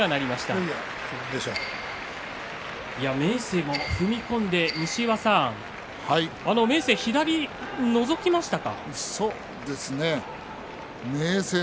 明生も踏み込んで、西岩さん明生は左がのぞきましたか。